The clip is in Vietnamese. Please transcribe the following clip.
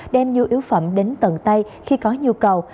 đem nhu yếu phẩm đến tận tây khi có nhu cầu